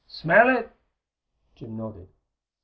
Smell it?" Jim nodded.